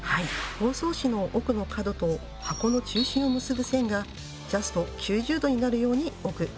包装紙の奥の角と箱の中心を結ぶ線がジャスト９０度になるように置く。